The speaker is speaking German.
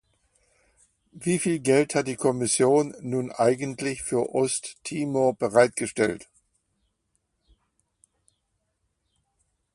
Wieviel Geld hat die Kommission nun eigentlich für Osttimor bereitgestellt?